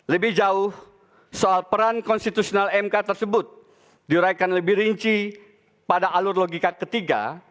lebih jauh soal peran konstitusional mk tersebut diraihkan lebih rinci pada alur logika ketiga